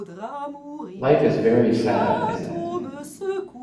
Life is very sad, isn't it?